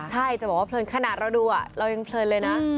ใช่จะบอกว่าเพลินขนาดเราดูเรายังเพลินเลยนะ